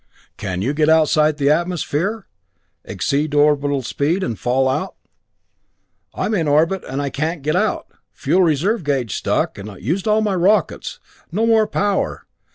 Can you get outside the atmosphere? Exceed orbital speed and fall out? Am in an orbit and can't get out. Fuel reserve gage stuck, and used all my rockets. No more power.